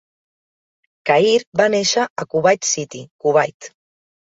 Khairy va néixer a Kuwait City, Kuwait.